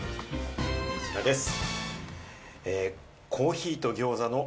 こちらです。